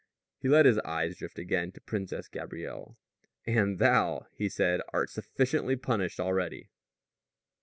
He let his eyes drift again to the Princess Gabrielle. "And thou," he said, "art sufficiently punished already."